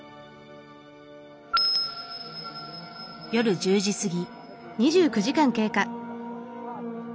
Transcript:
夜１０時過ぎ。